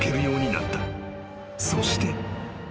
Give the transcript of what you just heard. ［そして］